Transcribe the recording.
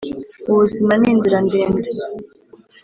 ubuzima ni inzira ndende